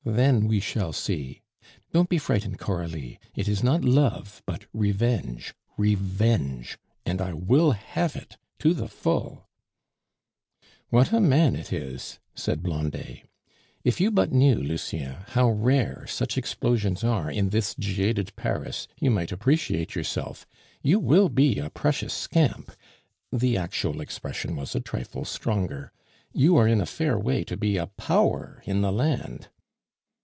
Then, we shall see. Don't be frightened, Coralie, it is not love but revenge; revenge! And I will have it to the full!" "What a man it is!" said Blondet. "If you but knew, Lucien, how rare such explosions are in this jaded Paris, you might appreciate yourself. You will be a precious scamp" (the actual expression was a trifle stronger); "you are in a fair way to be a power in the land."